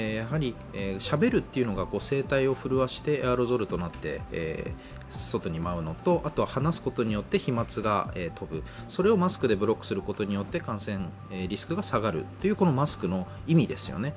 しゃべるというのが声帯を震わせてエアロゾルとなって外に舞うのと、話すことによって飛まつが飛ぶ、それをマスクでブロックすることで感染リスクが下がる、マスクの意味ですよね